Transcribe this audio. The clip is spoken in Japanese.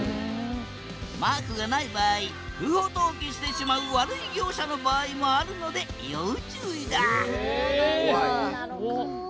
マークがない場合不法投棄してしまう悪い業者の場合もあるので要注意だそうなんだ。